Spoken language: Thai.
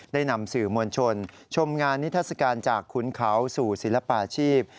ได้นำสื่อมวลชนชมงานนิทัศกาลจากขุนเขาสู่ศิลปาชีพ